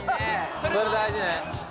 それ大事ね。